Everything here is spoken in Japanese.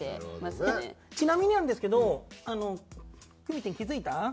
ちなみになんですけどくみてん気付いた？